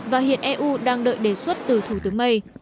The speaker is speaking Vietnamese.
và hiện eu đang đợi đề xuất từ thủ tướng may